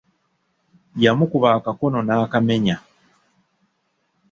Yamukuba akakono n'akamenya.